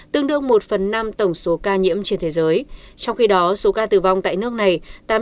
tương đương một phần năm tổng số ca nhiễm trên thế giới trong khi đó số ca tử vong tại nước này